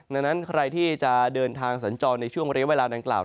ดังนั้นใครที่จะเดินทางสัญจรในช่วงเรียกเวลาดังกล่าว